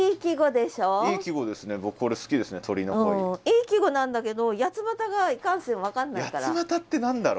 いい季語なんだけど「やつまた」がいかんせん分かんないから。